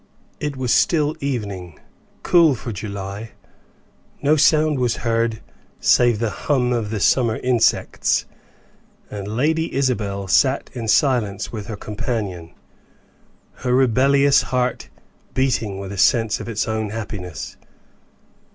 It was still evening, cool for July; no sound was heard save the hum of the summer insects, and Lady Isabel sat in silence with her companion, her rebellious heart beating with a sense of its own happiness.